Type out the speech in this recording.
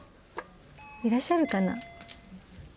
いらっしゃるかな？